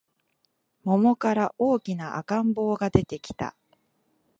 桃から大きな赤ん坊が出てきた